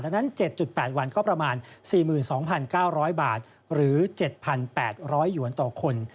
ดังนั้น๗๘วันก็ประมาณ๔๒๙๐๐บาทหรือ๗๘๐๐หยวนต่อคน